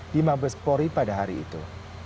di mabespori pada hari itu